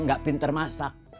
dan gak pinter masak